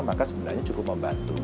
maka sebenarnya cukup membantu